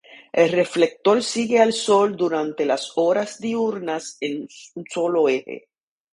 El reflector sigue al sol durante la horas diurnas en un solo eje.